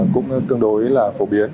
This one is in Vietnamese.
cũng tương đối là phổ biến